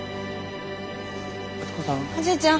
おじいちゃん。